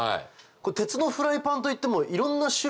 鉄のフライパンといってもいろんな種類が。